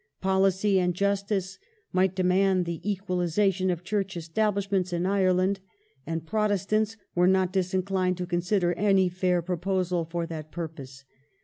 Policy and justice might demand the equalization of Church Establishments in Ireland, and Protestants were not disinclined to consider any fair proposal for that purpose.